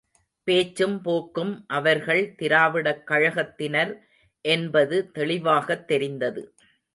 பேச்சும் போக்கும் அவர்கள் திராவிடக்கழகத்தினர் என்பது தெளிவாகத் தெரிந்தது.